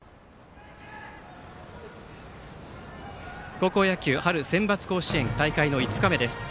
高校野球春センバツ甲子園大会の５日目です。